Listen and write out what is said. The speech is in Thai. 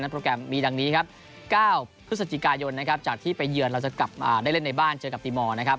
โปรแกรมมีดังนี้ครับ๙พฤศจิกายนนะครับจากที่ไปเยือนเราจะกลับได้เล่นในบ้านเจอกับตีมอร์นะครับ